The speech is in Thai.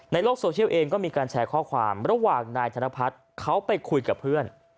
ในโลกโซเชียลเองก็มีการแชร์ข้อความระหว่างนายธนพัฒน์เขาไปคุยกับเพื่อน